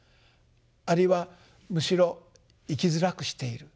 あるいはむしろ生きづらくしている。